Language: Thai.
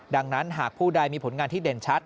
ดังนั้นหากผู้ใดมีผลงานที่เด่นชัด